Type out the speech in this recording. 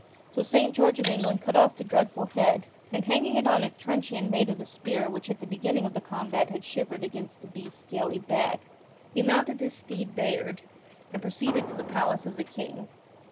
So St. George of England cut off the dreadful head and hanging it on a truncheon made of the spear which at the beginning of the combat had shivered against the beast's scaly back, he mounted his steed Bayard, and pro ceeded to the palace of the King.